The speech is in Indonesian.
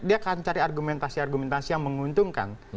dia akan cari argumentasi argumentasi yang menguntungkan